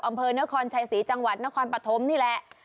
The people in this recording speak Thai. อำเภอนครชัยศรีจังหวัดนครปฐมนี่แหละ